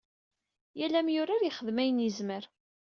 Yal amyurar yexdem ayen yezmer.